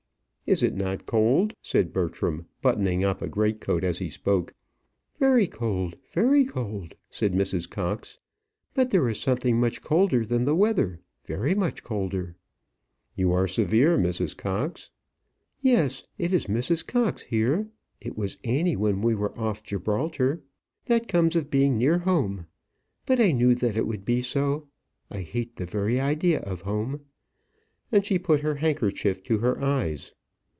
"Is it not cold?" said Bertram, buttoning up a greatcoat as he spoke. "Very cold! very cold!" said Mrs. Cox. "But there is something much colder than the weather very much colder." "You are severe, Mrs. Cox." "Yes. It is Mrs. Cox here. It was Annie when we were off Gibraltar. That comes of being near home. But I knew that it would be so. I hate the very idea of home." And she put her handkerchief to her eyes.